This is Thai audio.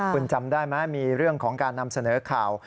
คุณจำได้ไหมมีเรื่องของการนำเสนอข่าว